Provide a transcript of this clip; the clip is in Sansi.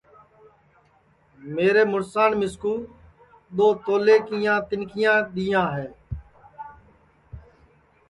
میرے مُُڑسان مِسکُو دؔو تولیے کیاں تینٚکھیا دؔیاں ہے